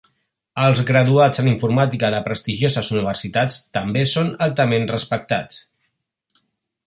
Els graduats en informàtica de prestigioses universitats també són altament respectats.